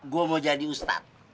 gua mau jadi ustadz